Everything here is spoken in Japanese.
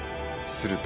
「すると」